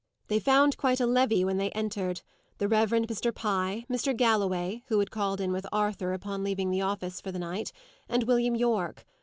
They found quite a levee when they entered: the Reverend Mr. Pye, Mr. Galloway who had called in with Arthur upon leaving the office for the night and William Yorke.